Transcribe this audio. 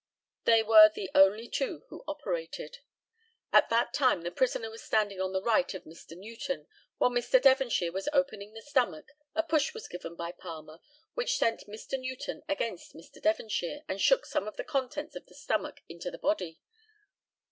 They were the only two who operated. At that time the prisoner was standing on the right of Mr. Newton. While Mr. Devonshire was opening the stomach a push was given by Palmer which sent Mr. Newton against Mr. Devonshire, and shook some of the contents of the stomach into the body.